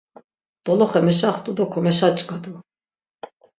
Doloxe meşaxtu do komeşaç̆k̆adu.